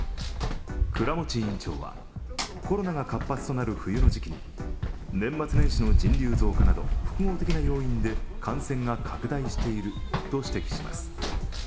倉持院長は、コロナが活発となる冬の時期に年末年始の人流増加など複合的な要因で感染が拡大していると指摘します。